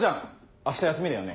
明日休みだよね。